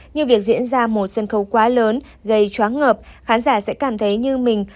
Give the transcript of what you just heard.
như việc diễn ra một sân khấu quá lớn gây chóng ngợp khán giả sẽ cảm thấy như mình